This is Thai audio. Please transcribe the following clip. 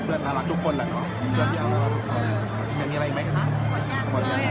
ไม่ได้กับทุกคนคือไม่คิดว่าคนที่รอดเนี่ยไง